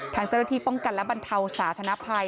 ทางเจ้าหน้าที่ป้องกันและบรรเทาสาธนภัย